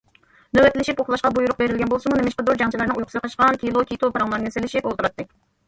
نۆۋەتلىشىپ ئۇخلاشقا بۇيرۇق بېرىلگەن بولسىمۇ، نېمىشقىدۇر جەڭچىلەرنىڭ ئۇيقۇسى قاچقان، كىلو- كىتو پاراڭلارنى سېلىشىپ ئولتۇراتتى.